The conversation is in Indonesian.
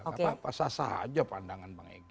enggak apa apa sah sah aja pandangan bang egy